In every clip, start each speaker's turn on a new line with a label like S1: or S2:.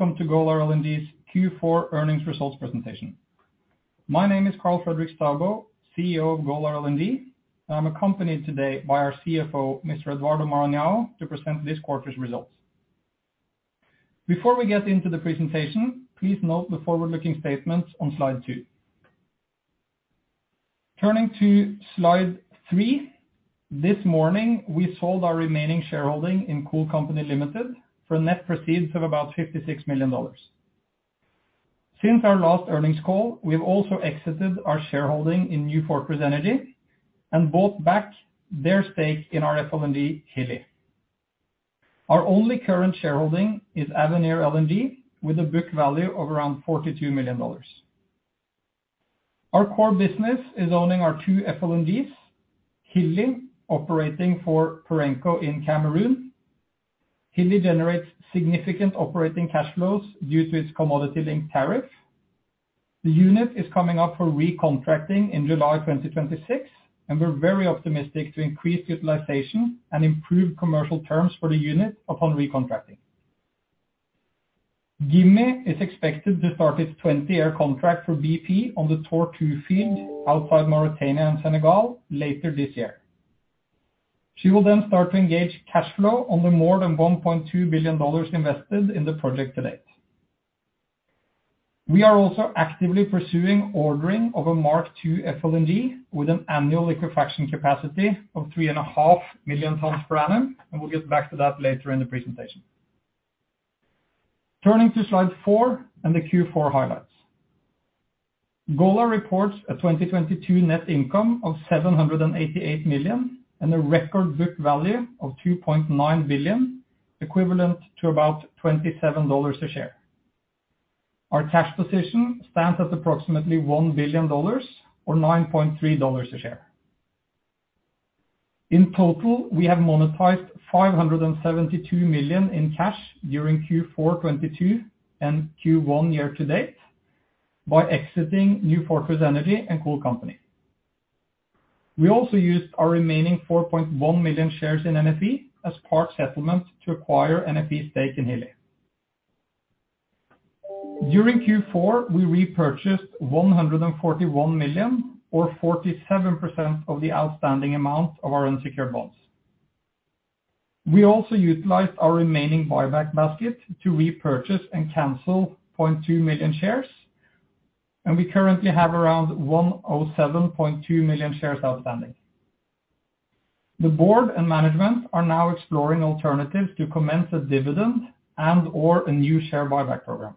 S1: Welcome to Golar LNG's Q4 earnings results presentation. My name is Karl Fredrik Staubo, CEO of Golar LNG. I'm accompanied today by our CFO, Mr. Eduardo Maranhão, to present this quarter's results. Before we get into the presentation, please note the forward-looking statements on slide two. Turning to slide three. This morning, we sold our remaining shareholding in Cool Company Ltd. for net proceeds of about $56 million. Since our last earnings call, we have also exited our shareholding in New Fortress Energy and bought back their stake in our FLNG, Hilli. Our only current shareholding is Avenir LNG with a book value of around $42 million. Our core business is owning our two FLNGs. Hilli operating for Perenco in Cameroon. Hilli generates significant operating cash flows due to its commodity-linked tariff. The unit is coming up for recontracting in July 2026. We're very optimistic to increase utilization and improve commercial terms for the unit upon recontracting. Gimi is expected to start its 20-year contract for BP on the Tortue field outside Mauritania and Senegal later this year. She will start to engage cash flow on the more than $1.2 billion invested in the project to date. We are also actively pursuing ordering of a Mark II FLNG with an annual liquefaction capacity of 3.5 million tons per annum. We'll get back to that later in the presentation. Turning to slide four and the Q4 highlights. Golar reports a 2022 net income of $788 million and a record book value of $2.9 billion, equivalent to about $27 a share. Our cash position stands at approximately $1 billion or $9.3 a share. In total, we have monetized $572 million in cash during Q4 2022 and Q1 year-to-date by exiting New Fortress Energy and Cool Company. We also used our remaining 4.1 million shares in NFE as part settlement to acquire NFE stake in Hilli. During Q4, we repurchased $141 million or 47% of the outstanding amount of our unsecured bonds. We also utilized our remaining buyback basket to repurchase and cancel 0.2 million shares. We currently have around 107.2 million shares outstanding. The board and management are now exploring alternatives to commence a dividend and/or a new share buyback program.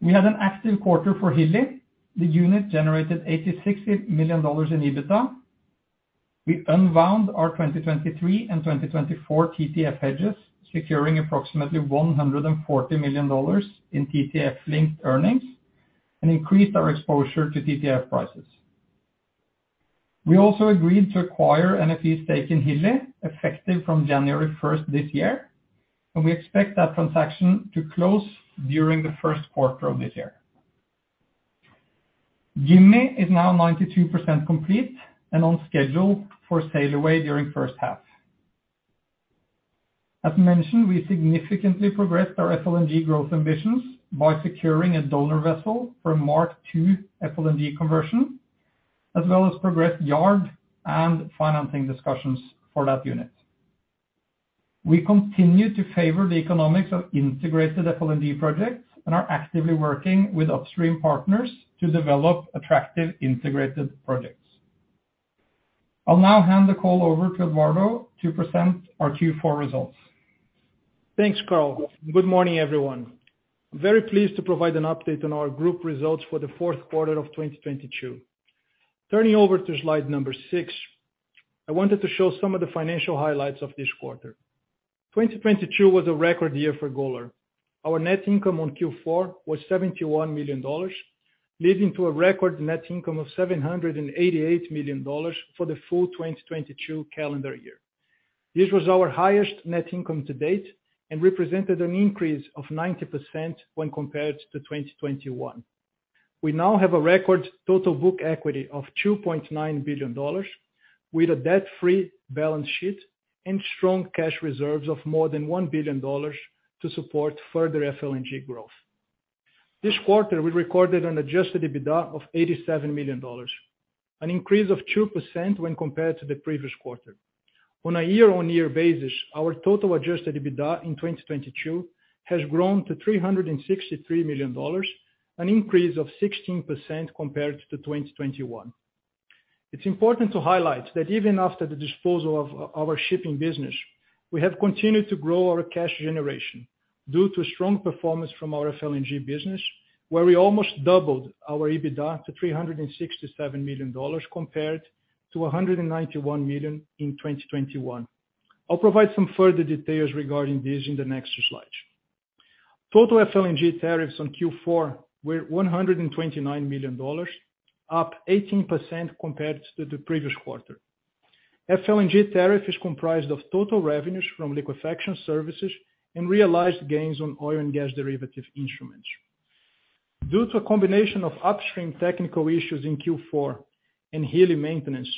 S1: We had an active quarter for Hilli. The unit generated $86 million in EBITDA. We unwound our 2023 and 2024 TTF hedges, securing approximately $140 million in TTF-linked earnings and increased our exposure to TTF prices. We also agreed to acquire NFE stake in Hilli, effective from January 1st this year. We expect that transaction to close during the 1st quarter of this year. Gimi is now 92% complete and on schedule for sail away during 1st half. As mentioned, we significantly progressed our FLNG growth ambitions by securing a donor vessel for Mark II FLNG conversion, as well as progressed yard and financing discussions for that unit. We continue to favor the economics of integrated FLNG projects and are actively working with upstream partners to develop attractive integrated projects. I'll now hand the call over to Eduardo to present our Q4 results.
S2: Thanks, Karl. Good morning, everyone. I'm very pleased to provide an update on our group results for the fourth quarter of 2022. Turning over to slide number six, I wanted to show some of the financial highlights of this quarter. 2022 was a record year for Golar. Our net income on Q4 was $71 million, leading to a record net income of $788 million for the full 2022 calendar year. This was our highest net income to date and represented an increase of 90% when compared to 2021. We now have a record total book equity of $2.9 billion with a debt-free balance sheet and strong cash reserves of more than $1 billion to support further FLNG growth. This quarter, we recorded an adjusted EBITDA of $87 million, an increase of 2% when compared to the previous quarter. On a year-on-year basis, our total adjusted EBITDA in 2022 has grown to $363 million, an increase of 16% compared to 2021. It's important to highlight that even after the disposal of our shipping business, we have continued to grow our cash generation due to strong performance from our FLNG business, where we almost doubled our EBITDA to $367 million compared to $191 million in 2021. I'll provide some further details regarding this in the next slide. Total FLNG tariffs on Q4 were $129 million, up 18% compared to the previous quarter. FLNG tariff is comprised of total revenues from liquefaction services and realized gains on oil and gas derivative instruments. Due to a combination of upstream technical issues in Q4 and Hilli maintenance,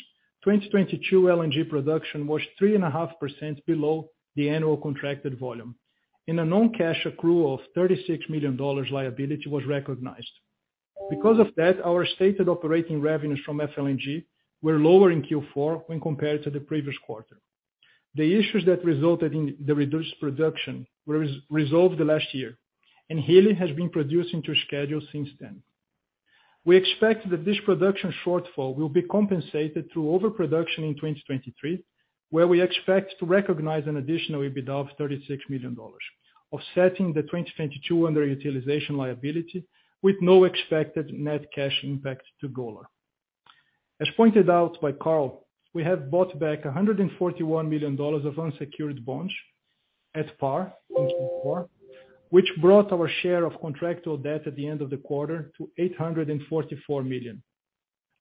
S2: 2022 LNG production was 3.5% below the annual contracted volume. In a non-cash accrual of $36 million liability was recognized. Our stated operating revenues from FLNG were lower in Q4 when compared to the previous quarter. The issues that resulted in the reduced production were resolved last year, and Hilli has been producing to schedule since then. We expect that this production shortfall will be compensated through overproduction in 2023, where we expect to recognize an additional EBITDA of $36 million, offsetting the 2022 underutilization liability, with no expected net cash impact to Golar. As pointed out by Karl, we have bought back $141 million of unsecured bonds at par in Q4, which brought our share of contractual debt at the end of the quarter to $844 million.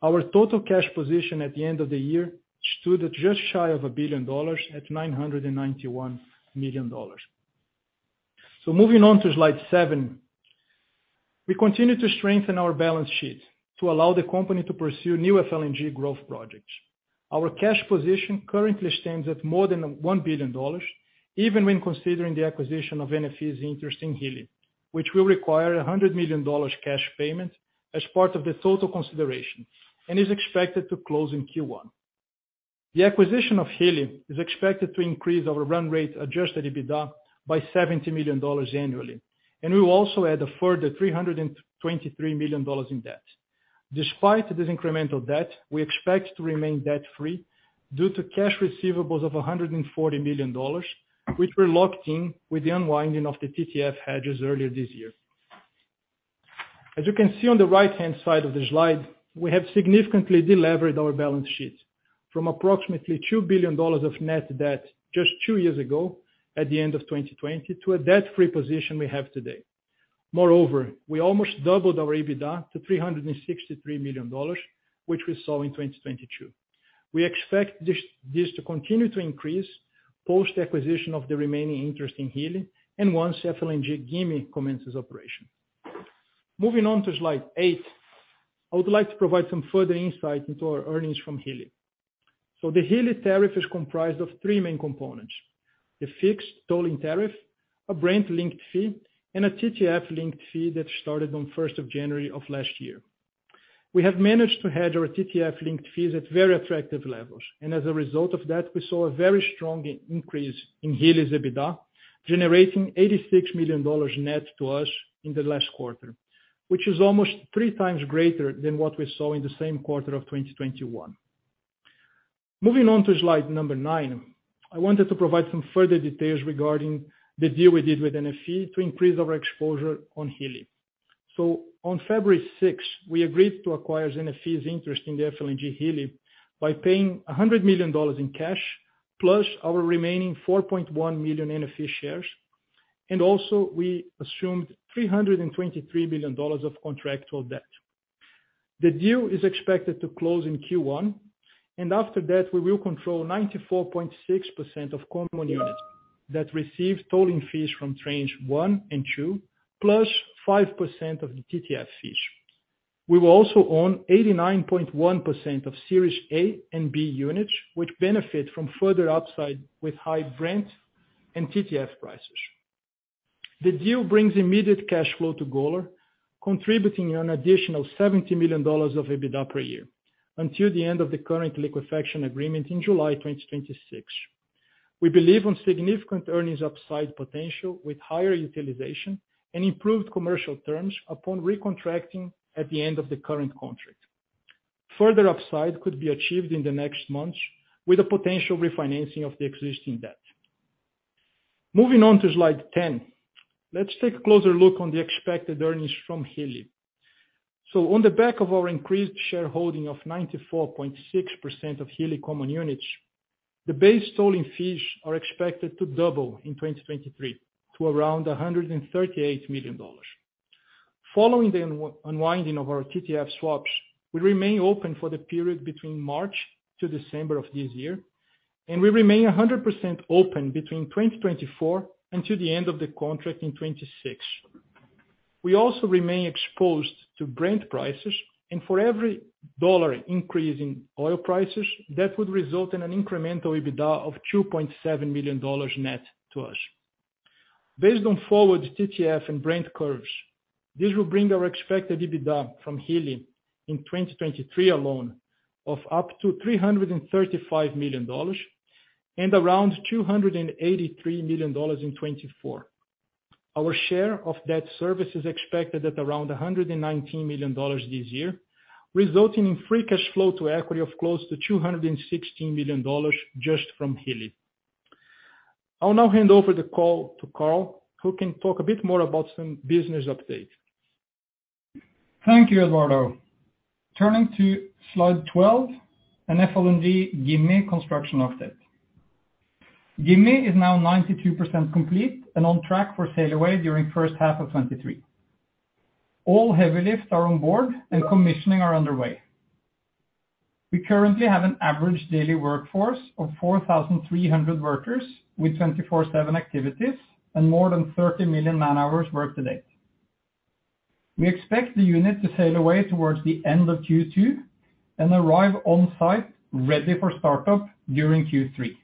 S2: Our total cash position at the end of the year stood at just shy of $1 billion, at $991 million. Moving on to slide seven. We continue to strengthen our balance sheet to allow the company to pursue new FLNG growth projects. Our cash position currently stands at more than $1 billion, even when considering the acquisition of NFE's interest in Hilli, which will require a $100 million cash payment as part of the total consideration, and is expected to close in Q1. The acquisition of Hilli is expected to increase our run rate adjusted EBITDA by $70 million annually. We will also add a further $323 million in debt. Despite this incremental debt, we expect to remain debt-free due to cash receivables of $140 million, which were locked in with the unwinding of the TTF hedges earlier this year. As you can see on the right-hand side of the slide, we have significantly de-leveraged our balance sheet from approximately $2 billion of net debt just two years ago at the end of 2020, to a debt-free position we have today. Moreover, we almost doubled our EBITDA to $363 million, which we saw in 2022. We expect this to continue to increase post-acquisition of the remaining interest in Hilli and once FLNG Gimi commences operation. Moving on to slide eight, I would like to provide some further insight into our earnings from Hilli. The Hilli tariff is comprised of three main components: the fixed tolling tariff, a Brent-linked fee, and a TTF-linked fee that started on first of January of last year. We have managed to hedge our TTF-linked fees at very attractive levels, as a result of that, we saw a very strong increase in Hilli's EBITDA, generating $86 million net to us in the last quarter, which is almost 3x greater than what we saw in the same quarter of 2021. Moving on to slide nine, I wanted to provide some further details regarding the deal we did with NFE to increase our exposure on Hilli. On February sixth, we agreed to acquire NFE's interest in the FLNG Hilli by paying $100 million in cash, plus our remaining 4.1 million NFE shares, and also we assumed $323 million of contractual debt. The deal is expected to close in Q1, after that, we will control 94.6% of common units that receive tolling fees from trains one and two, plus 5% of the TTF fees. We will also own 89.1% of Series A and B units, which benefit from further upside with high Brent and TTF prices. The deal brings immediate cash flow to Golar, contributing an additional $70 million of EBITDA per year until the end of the current liquefaction agreement in July 2026. We believe on significant earnings upside potential with higher utilization and improved commercial terms upon recontracting at the end of the current contract. Further upside could be achieved in the next months with a potential refinancing of the existing debt. Moving on to slide 10. Let's take a closer look on the expected earnings from Hilli. On the back of our increased shareholding of 94.6% of Hilli common units, the base tolling fees are expected to double in 2023 to around $138 million. Following the unwinding of our TTF swaps, we remain open for the period between March to December of this year, and we remain 100% open between 2024 until the end of the contract in 2026. We also remain exposed to Brent prices, and for every dollar increase in oil prices, that would result in an incremental EBITDA of $2.7 million net to us. Based on forward TTF and Brent curves, this will bring our expected EBITDA from Hilli in 2023 alone of up to $335 million and around $283 million in 2024. Our share of debt service is expected at around $119 million this year, resulting in free cash flow to equity of close to $216 million just from Hilli. I'll now hand over the call to Karl, who can talk a bit more about some business updates.
S1: Thank you, Eduardo. Turning to slide 12, an FLNG Gimi construction update. Gimi is now 92% complete and on track for sail away during first half of 2023. All heavy lifts are on board and commissioning are underway. We currently have an average daily workforce of 4,300 workers with 24/7 activities and more than 30 million man-hours worked to date. We expect the unit to sail away towards the end of Q2 and arrive on site ready for start-up during Q3.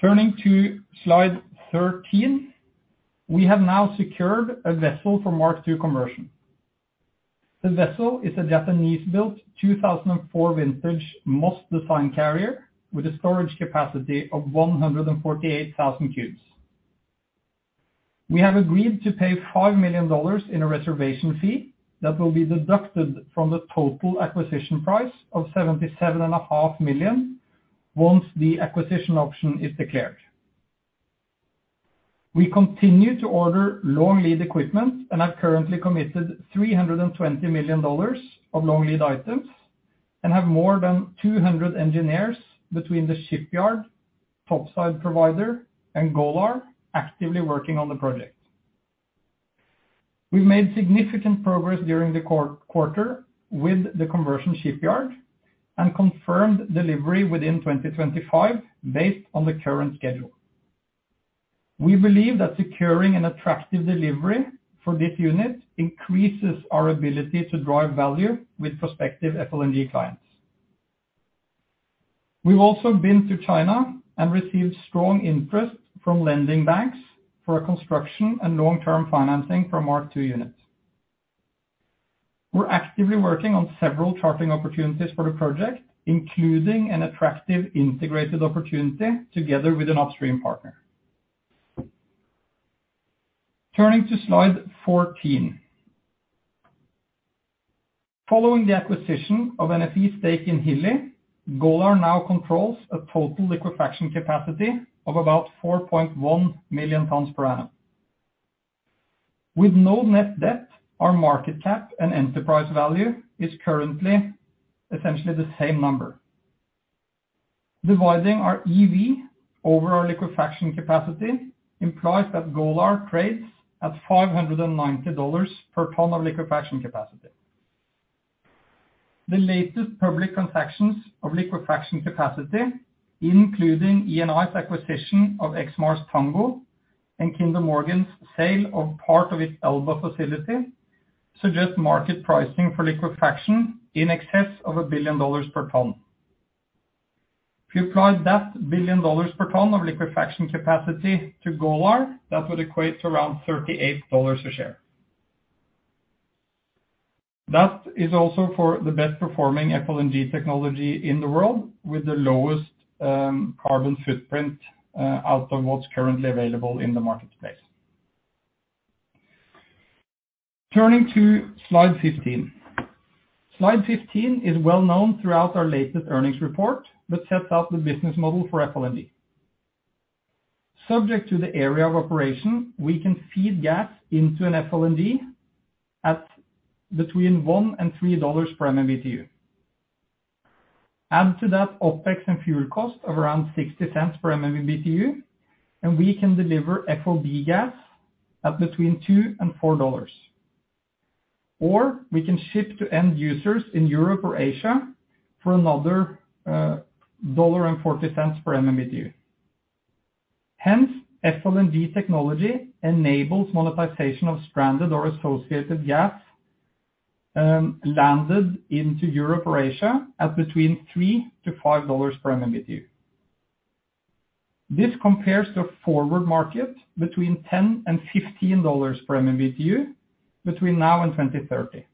S1: Turning to slide 13, we have now secured a vessel for Mark II conversion. The vessel is a Japanese-built 2004 vintage Moss design carrier with a storage capacity of 148,000 cubes. We have agreed to pay $5 million in a reservation fee that will be deducted from the total acquisition price of $77.5 million once the acquisition option is declared. We continue to order long lead equipment and have currently committed $320 million of long lead items and have more than 200 engineers between the shipyard, topside provider and Golar actively working on the project. We've made significant progress during the quarter with the conversion shipyard and confirmed delivery within 2025 based on the current schedule. We believe that securing an attractive delivery for this unit increases our ability to drive value with prospective FLNG clients. We've also been to China and received strong interest from lending banks for a construction and long-term financing for Mark II unit. We're actively working on several chartering opportunities for the project, including an attractive integrated opportunity together with an upstream partner. Turning to slide 14. Following the acquisition of NFE stake in Hilli, Golar now controls a total liquefaction capacity of about 4.1 million tons per annum. With no net debt, our market cap and enterprise value is currently essentially the same number. Dividing our EV over our liquefaction capacity implies that Golar trades at $590 per ton of liquefaction capacity. The latest public transactions of liquefaction capacity, including Eni's acquisition of Exmar's Tango FLNG and Kinder Morgan's sale of part of its Elba facility, suggest market pricing for liquefaction in excess of $1 billion per ton. If you apply that $1 billion per ton of liquefaction capacity to Golar, that would equate to around $38 a share. That is also for the best-performing FLNG technology in the world with the lowest carbon footprint out of what's currently available in the marketplace. Turning to slide 15. Slide 15 is well known throughout our latest earnings report, but sets out the business model for FLNG. Subject to the area of operation, we can feed gas into an FLNG at between $1-$3 per MMBtu. Add to that OpEx and fuel cost of around $0.60 per MMBtu, and we can deliver FOB gas at between $2-$4. Or we can ship to end users in Europe or Asia for another $1.40 per MMBtu. Hence, FLNG technology enables monetization of stranded or associated gas landed into Europe or Asia at between $3-$5 per MMBtu. This compares to a forward market between $10-$15 per MMBtu between now and 2030.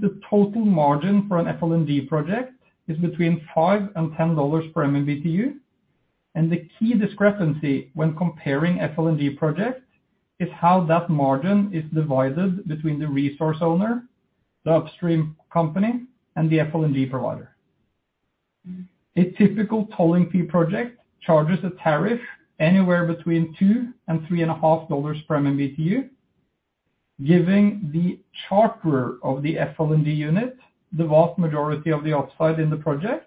S1: The total margin for an FLNG project is between $5-$10 per MMBtu, and the key discrepancy when comparing FLNG projects is how that margin is divided between the resource owner, the upstream company, and the FLNG provider. A typical tolling fee project charges a tariff anywhere between $2-$3.5 per MMBtu, giving the charterer of the FLNG unit the vast majority of the upside in the project.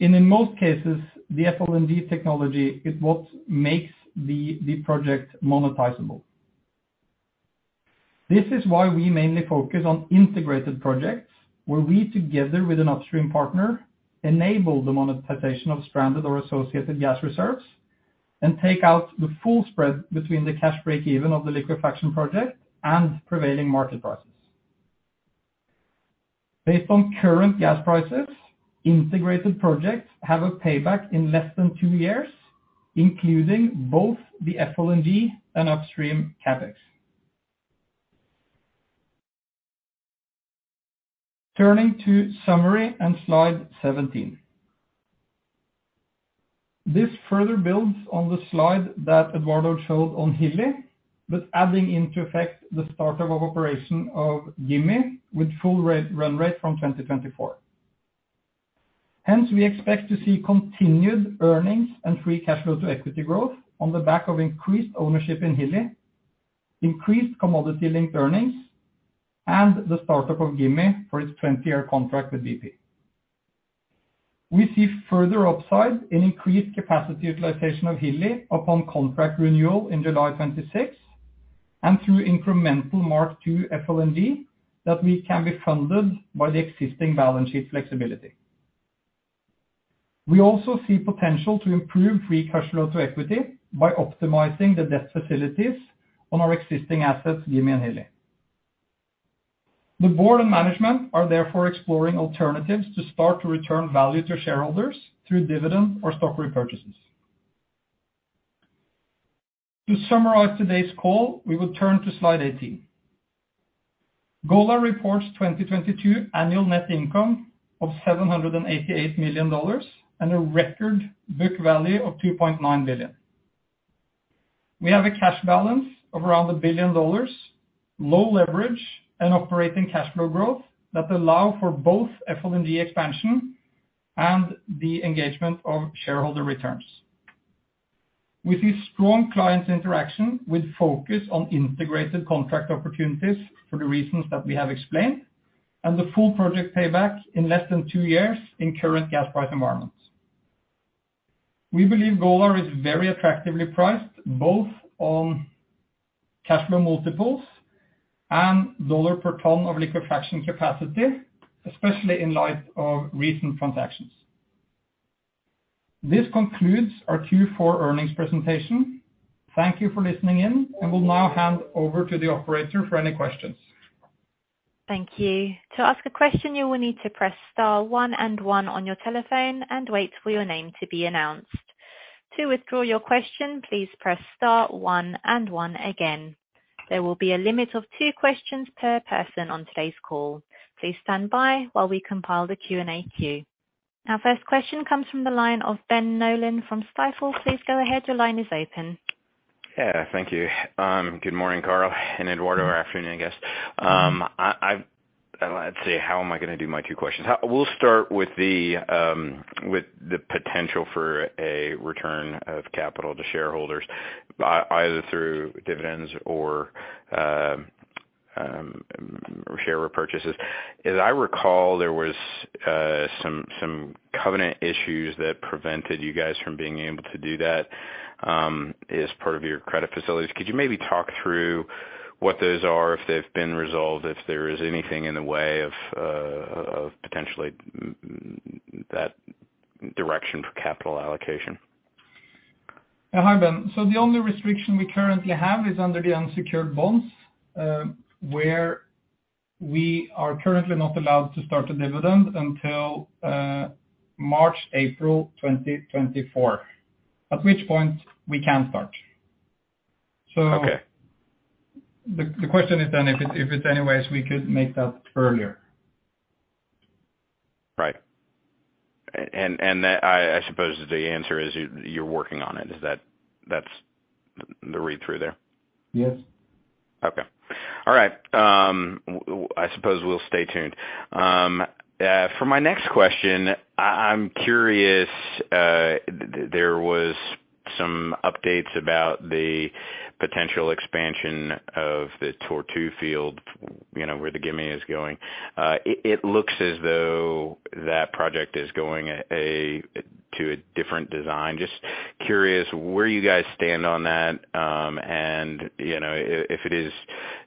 S1: In most cases, the FLNG technology is what makes the project monetizable. This is why we mainly focus on integrated projects where we together with an upstream partner enable the monetization of stranded or associated gas reserves and take out the full spread between the cash break-even of the liquefaction project and prevailing market prices. Based on current gas prices, integrated projects have a payback in less than two years, including both the FLNG and upstream CapEx. Turning to summary and slide 17. This further builds on the slide that Eduardo showed on Hilli, but adding into effect the start of operation of Gimi with full run rate from 2024. We expect to see continued earnings and free cash flow to equity growth on the back of increased ownership in Hilli, increased commodity-linked earnings, and the start-up of Gimi for its 20-year contract with BP. We see further upside in increased capacity utilization of Hilli upon contract renewal in July 2026 and through incremental Mark II FLNG that we can be funded by the existing balance sheet flexibility. We also see potential to improve free cash flow to equity by optimizing the debt facilities on our existing assets, Gimi and Hilli. The board and management are therefore exploring alternatives to start to return value to shareholders through dividend or stock repurchases. To summarize today's call, we will turn to slide 18. Golar reports 2022 annual net income of $788 million and a record book value of $2.9 billion. We have a cash balance of around $1 billion, low leverage and operating cash flow growth that allow for both FLNG expansion and the engagement of shareholder returns. We see strong client interaction with focus on integrated contract opportunities for the reasons that we have explained and the full project payback in less than two years in current gas price environments. We believe Golar is very attractively priced both on cash flow multiples and dollar per ton of liquefaction capacity, especially in light of recent transactions. This concludes our Q4 earnings presentation. Thank you for listening in. We'll now hand over to the operator for any questions.
S3: Thank you. To ask a question, you will need to press star one and one on your telephone and wait for your name to be announced. To withdraw your question, please press star one and one again. There will be a limit of two questions per person on today's call. Please stand by while we compile the Q&A queue. Our first question comes from the line of Ben Nolan from Stifel. Please go ahead. Your line is open.
S4: Yeah. Thank you. Good morning, Karl and Eduardo, or afternoon, I guess. Let's see, how am I gonna do my two questions? We'll start with the potential for a return of capital to shareholders either through dividends or share repurchases. As I recall, there was some covenant issues that prevented you guys from being able to do that, as part of your credit facilities. Could you maybe talk through what those are, if they've been resolved, if there is anything in the way of potentially that direction for capital allocation?
S1: Yeah. Hi, Ben. The only restriction we currently have is under the unsecured bonds, where we are currently not allowed to start a dividend until March, April 2024, at which point we can start.
S4: Okay.
S1: The question is if it's any ways we could make that earlier.
S4: Right. I suppose the answer is you're working on it. That's the read through there?
S1: Yes.
S4: Okay. All right. I suppose we'll stay tuned. For my next question, I'm curious, there was some updates about the potential expansion of the Tortue field, you know, where the Gimi is going. It looks as though that project is going a to a different design. Just curious where you guys stand on that. If it is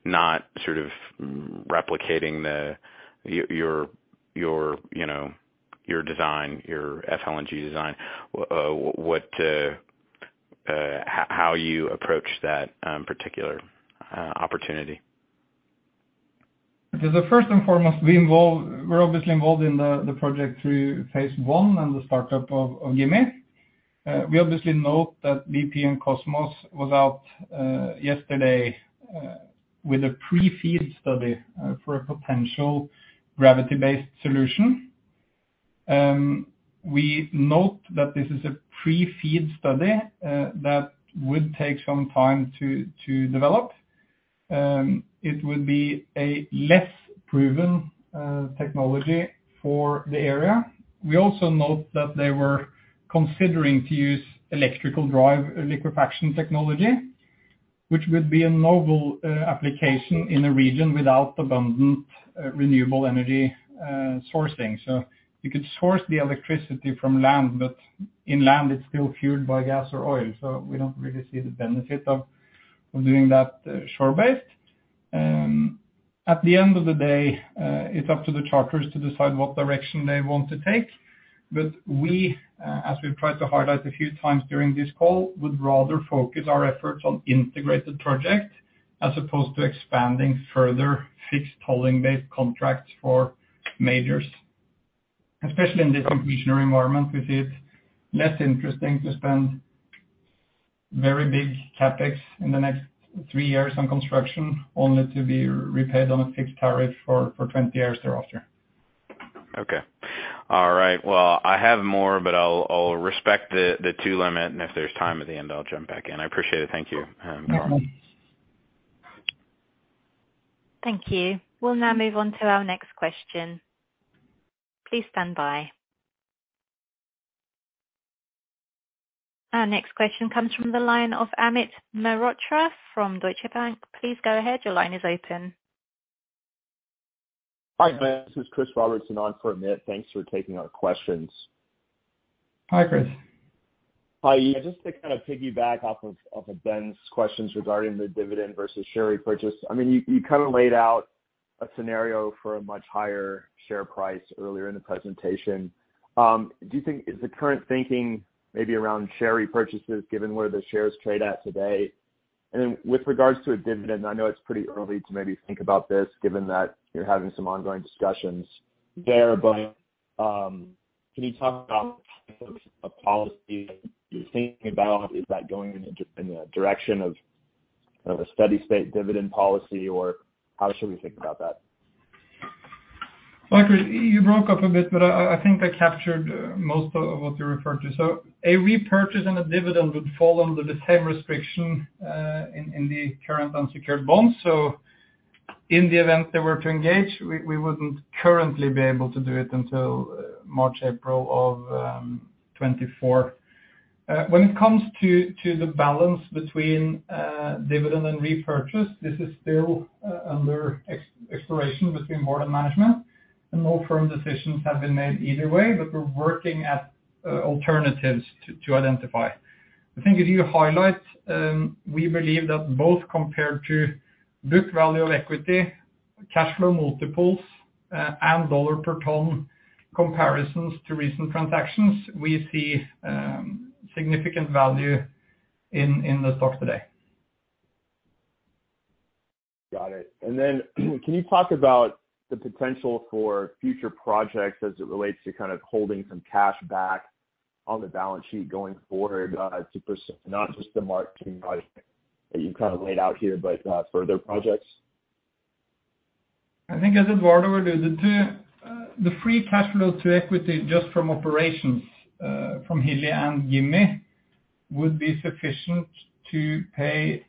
S4: not sort of replicating the, your, you know, your design, your FLNG design, what, how you approach that particular opportunity.
S1: The first and foremost, we're obviously involved in the project through phase one and the startup of Gimi. We obviously note that BP and Kosmos Energy was out yesterday with a pre-FEED study for a potential gravity-based solution. We note that this is a pre-FEED study that would take some time to develop. It would be a less proven technology for the area. We also note that they were considering to use electric-driven liquefaction technology, which would be a novel application in a region without abundant renewable energy sourcing. You could source the electricity from land, but in land it's still fueled by gas or oil, so we don't really see the benefit of doing that shore-based. At the end of the day, it's up to the charters to decide what direction they want to take. We, as we've tried to highlight a few times during this call, would rather focus our efforts on integrated project as opposed to expanding further fixed tolling-based contracts for majors, especially in this inflationary environment. We see it less interesting to spend very big CapEx in the next three years on construction only to be repaid on a fixed tariff for 20 years thereafter.
S4: Okay. All right. I have more, but I'll respect the two limit, and if there's time at the end, I'll jump back in. I appreciate it. Thank you, Karl.
S3: Thank you. We'll now move on to our next question. Please stand by. Our next question comes from the line of Amit Mehrotra from Deutsche Bank. Please go ahead. Your line is open.
S5: Hi, guys. This is Christopher Robertson on for Amit. Thanks for taking our questions.
S1: Hi, Chris.
S5: Hi. Just to kind of piggyback off of Ben's questions regarding the dividend versus share repurchase. I mean, you kind of laid out a scenario for a much higher share price earlier in the presentation. Do you think is the current thinking maybe around share repurchases given where the shares trade at today? With regards to a dividend, I know it's pretty early to maybe think about this given that you're having some ongoing discussions there, but, can you talk about a policy you're thinking about? Is that going in a direction of a steady state dividend policy, or how should we think about that?
S1: Chris, you broke up a bit, but I think I captured most of what you referred to. A repurchase and a dividend would fall under the same restriction in the current unsecured bonds. In the event they were to engage, we wouldn't currently be able to do it until March, April of 2024. When it comes to the balance between dividend and repurchase, this is still under exploration between board and management, and no firm decisions have been made either way, but we're working at alternatives to identify. I think if you highlight, we believe that both compared to book value of equity, cash flow multiples, and dollar per ton comparisons to recent transactions, we see significant value in the stock today.
S5: Got it. Then can you talk about the potential for future projects as it relates to kind of holding some cash back on the balance sheet going forward, not just the Mark II project that you've kind of laid out here, but further projects?
S1: I think as Eduardo alluded to, the free cash flow to equity just from operations, from Hilli and Gimi would be sufficient to pay,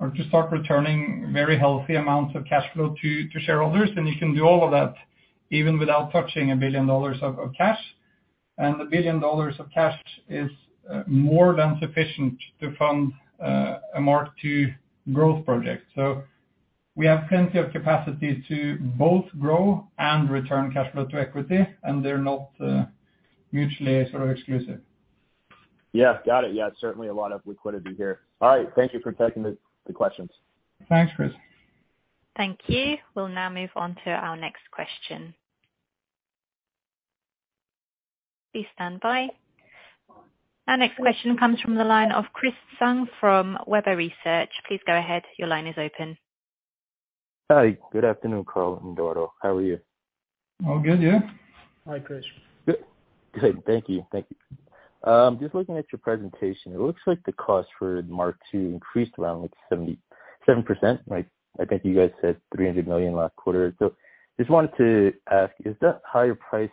S1: or to start returning very healthy amounts of cash flow to shareholders. You can do all of that even without touching $1 billion of cash. $1 billion of cash is more than sufficient to fund a Mark II growth project. We have plenty of capacity to both grow and return cash flow to equity, and they're not mutually sort of exclusive.
S5: Yeah. Got it. Yeah, certainly a lot of liquidity here. All right. Thank you for taking the questions.
S1: Thanks, Chris.
S3: Thank you. We'll now move on to our next question. Please stand by. Our next question comes from the line of Chris Tsung from Webber Research. Please go ahead. Your line is open.
S6: Hi. Good afternoon, Karl and Eduardo. How are you?
S1: All good. You?
S5: Hi, Chris.
S6: Good. Thank you. Thank you. Just looking at your presentation, it looks like the cost for Mark II increased around, like, 7%. Like, I think you guys said $300 million last quarter. Just wanted to ask, is that higher price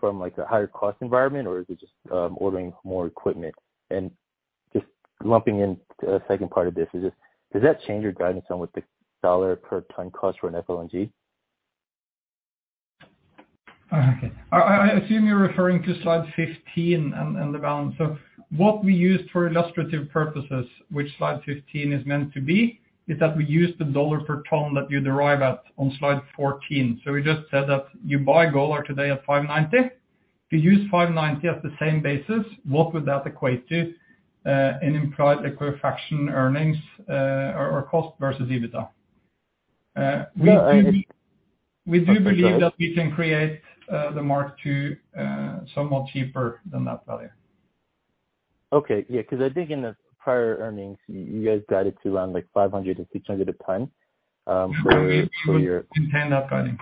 S6: from like a higher cost environment or is it just, ordering more equipment? Just lumping in a second part of this is just, does that change your guidance on what the dollar per ton cost for an FLNG?
S1: Okay. I assume you're referring to slide 15 and the balance. What we used for illustrative purposes, which slide 15 is meant to be, is that we use the dollar per ton that you derive at on slide 14. We just said that you buy Golar today at 590. If you use 590 as the same basis, what would that equate to in implied equity fraction earnings, or cost versus EBITDA?
S6: No.
S1: We do believe that we can create, the Mark II, somewhat cheaper than that value.
S6: Okay. Yeah, 'cause I think in the prior earnings, you guys guided to around, like, $500-$600 a ton, for your-
S1: We maintain that guidance.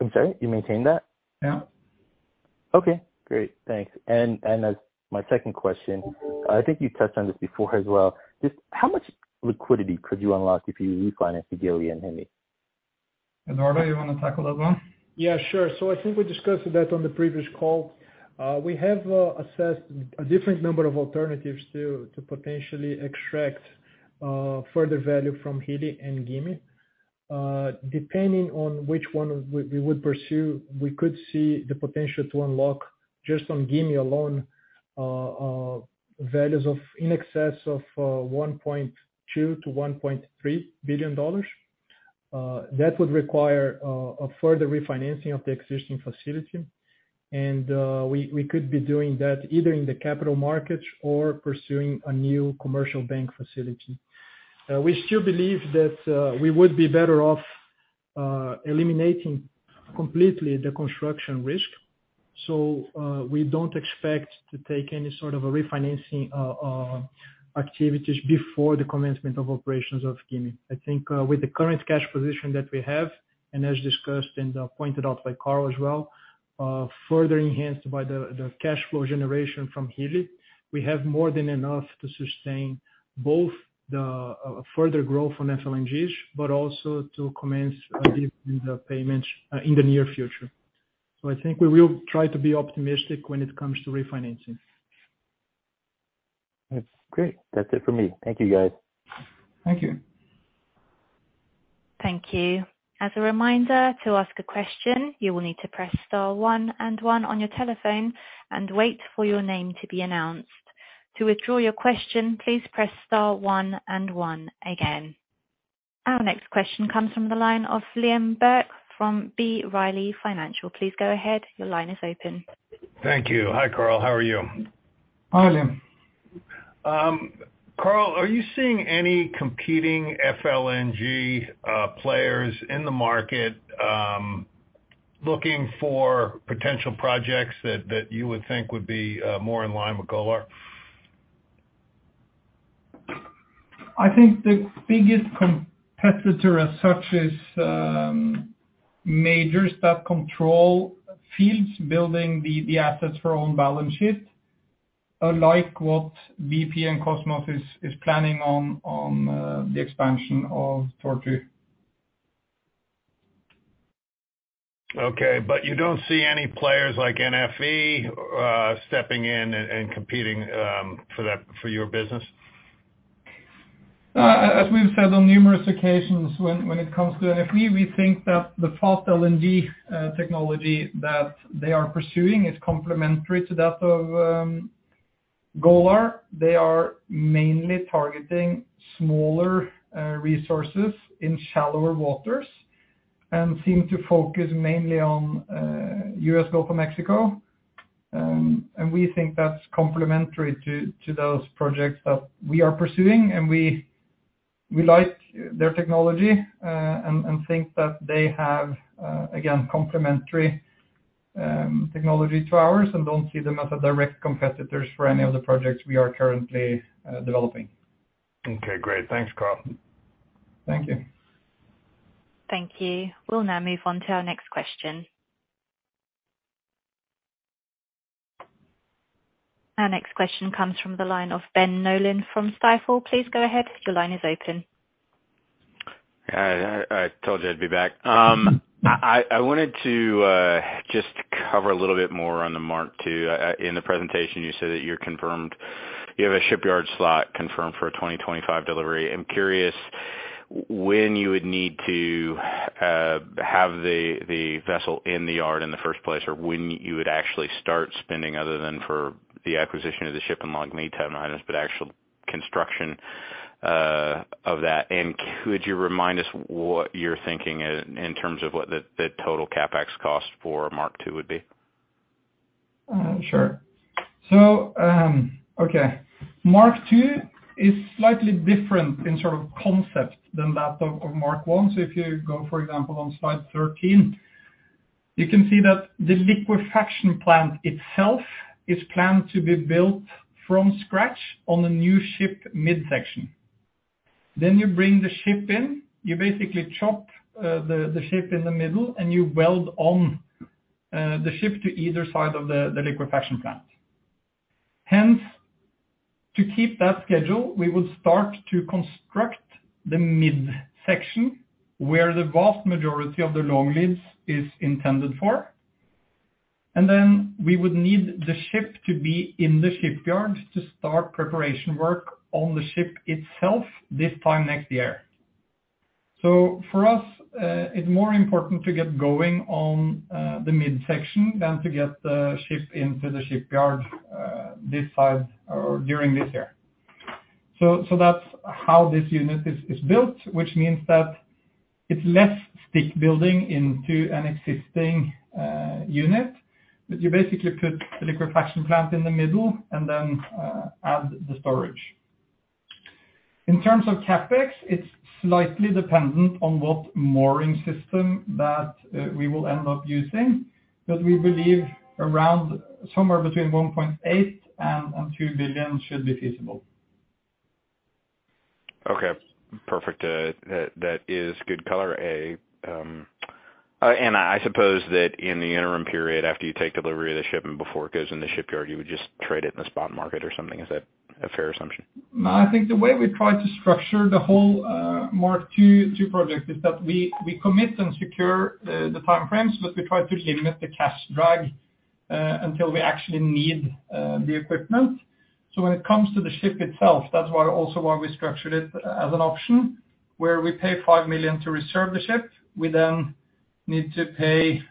S6: I'm sorry? You maintain that?
S1: Yeah.
S6: Okay, great. Thanks. As my second question, I think you touched on this before as well. Just how much liquidity could you unlock if you refinance the Hilli and Gimi?
S1: Eduardo, you wanna tackle that one?
S2: Yeah, sure. I think we discussed that on the previous call. We have assessed a different number of alternatives to potentially extract further value from Hilli and Gimi. Depending on which one we would pursue, we could see the potential to unlock just on Gimi alone, values of in excess of $1.2 billion-$1.3 billion. That would require a further refinancing of the existing facility. We could be doing that either in the capital markets or pursuing a new commercial bank facility. We still believe that we would be better off, eliminating completely the construction risk. We don't expect to take any sort of a refinancing activities before the commencement of operations of Gimi. I think, with the current cash position that we have and as discussed and pointed out by Karl as well, further enhanced by the cash flow generation from Hilli, we have more than enough to sustain both the further growth on FLNGs but also to commence the payments in the near future. I think we will try to be optimistic when it comes to refinancing.
S6: That's great. That's it for me. Thank you, guys.
S1: Thank you.
S3: Thank you. As a reminder, to ask a question, you will need to press star one and one on your telephone and wait for your name to be announced. To withdraw your question, please press star one and one again. Our next question comes from the line of Liam Burke from B. Riley Financial. Please go ahead. Your line is open.
S7: Thank you. Hi, Karl. How are you?
S1: Hi, Liam.
S7: Karl, are you seeing any competing FLNG players in the market, looking for potential projects that you would think would be more in line with Golar?
S1: I think the biggest competitor as such is majors that control fields building the assets for own balance sheet, unlike what BP and Kosmos is planning on the expansion of Tortue.
S7: Okay. You don't see any players like NFE, stepping in and competing, for that, for your business?
S1: As we've said on numerous occasions, when it comes to NFE, we think that the Fast LNG technology that they are pursuing is complementary to that of Golar. They are mainly targeting smaller resources in shallower waters and seem to focus mainly on U.S. Gulf of Mexico. We think that's complementary to those projects that we are pursuing, and we like their technology, and think that they have again, complementary technology to ours and don't see them as a direct competitors for any of the projects we are currently developing.
S7: Okay, great. Thanks, Karl.
S1: Thank you.
S3: Thank you. We'll now move on to our next question. Our next question comes from the line of Ben Nolan from Stifel. Please go ahead. Your line is open.
S4: Hi. I told you I'd be back. I wanted to just cover a little bit more on the Mark II. In the presentation you said that you have a shipyard slot confirmed for a 2025 delivery. I'm curious when you would need to have the vessel in the yard in the first place, or when you would actually start spending other than for the acquisition of the ship and long lead time items, but actual construction of that. Could you remind us what you're thinking in terms of what the total CapEx cost for Mark II would be?
S1: Sure. Okay. Mark II is slightly different in sort of concept than that of Mark I. If you go, for example, on slide 13, you can see that the liquefaction plant itself is planned to be built from scratch on a new ship midsection. You bring the ship in, you basically chop the ship in the middle, and you weld on the ship to either side of the liquefaction plant. Hence, to keep that schedule, we would start to construct the midsection where the vast majority of the long leads is intended for. We would need the ship to be in the shipyard to start preparation work on the ship itself this time next year. For us, it's more important to get going on the midsection than to get the ship into the shipyard this side or during this year. That's how this unit is built, which means that it's less stick building into an existing unit. You basically put the liquefaction plant in the middle and then add the storage. In terms of CapEx, it's slightly dependent on what mooring system that we will end up using. We believe around somewhere between $1.8 billion and $2 billion should be feasible.
S4: Okay, perfect. That is good color, Amit. I suppose that in the interim period after you take delivery of the ship and before it goes in the shipyard, you would just trade it in the spot market or something. Is that a fair assumption?
S1: No, I think the way we try to structure the whole Mark II, two project is that we commit and secure the time frames, but we try to limit the cash drag until we actually need the equipment. When it comes to the ship itself, that's why also why we structured it as an option where we pay $5 million to reserve the ship. We need to pay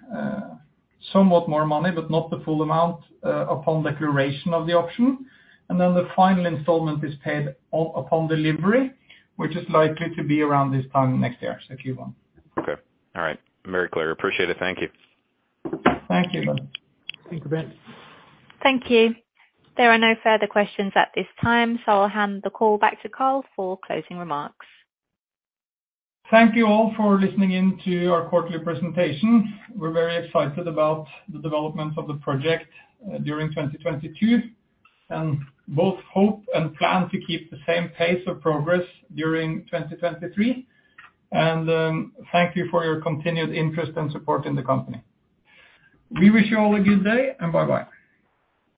S1: somewhat more money but not the full amount upon the duration of the option. The final installment is paid upon delivery, which is likely to be around this time next year. Q1.
S4: Okay. All right. Very clear. Appreciate it. Thank you.
S1: Thank you.
S3: Thank you, Ben. Thank you. There are no further questions at this time, so I'll hand the call back to Karl for closing remarks.
S1: Thank you all for listening in to our quarterly presentation. We're very excited about the development of the project, during 2022. Both hope and plan to keep the same pace of progress during 2023. Thank you for your continued interest and support in the company. We wish you all a good day, and bye-bye.